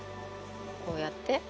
こうやって？